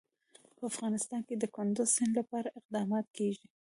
په افغانستان کې د کندز سیند لپاره اقدامات کېږي.